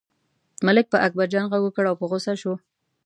ملک پر اکبرجان غږ وکړ او په غوسه شو.